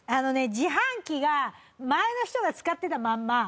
自販機が前の人が使ってたまんま。